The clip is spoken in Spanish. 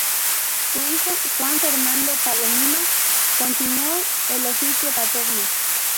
Su hijo, Juan Fernando Palomino, continuó el oficio paterno.